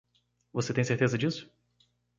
Você tem certeza disso?